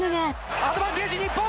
アドバンテージ、日本。